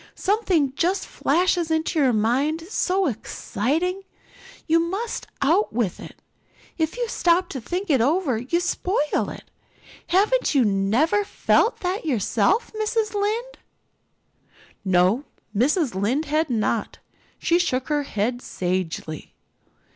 "Something just flashes into your mind, so exciting, and you must out with it. If you stop to think it over you spoil it all. Haven't you never felt that yourself, Mrs. Lynde?" No, Mrs. Lynde had not. She shook her head sagely.